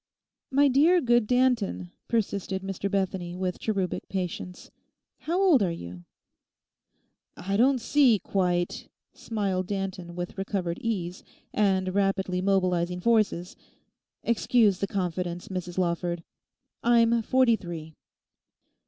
'My dear good Danton,' persisted Mr Bethany with cherubic patience, 'how old are you?' 'I don't see quite...' smiled Danton with recovered ease, and rapidly mobilising forces. 'Excuse the confidence, Mrs Lawford, I'm forty three.